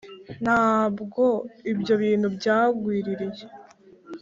Na bwo ibyo bintu byangwiririye